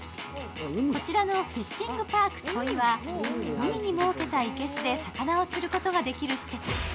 こちらのフィッシングパークＴＯＩは海に設けた生けすで魚を釣ることができる施設。